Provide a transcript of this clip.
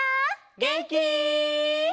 げんき？